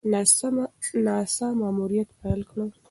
ناسا ماموریت پیل کړی.